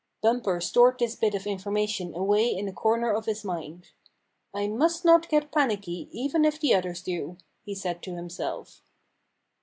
Bumper stored this bit of information away in a corner of his mind. " I must not get panicky even if the others do," he said to himself.